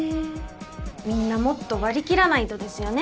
みんなもっと割り切らないとですよね。